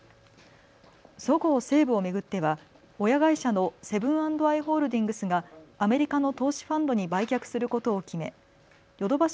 そごう・西武を巡っては親会社のセブン＆アイ・ホールディングスがアメリカの投資ファンドに売却することを決めヨドバシ